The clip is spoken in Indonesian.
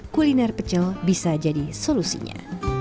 kuliner pecel bisa jadi solusinya